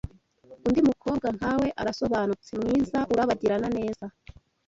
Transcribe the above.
Undi Mukobwa nka we, Arasobanutse, mwiza, urabagirana neza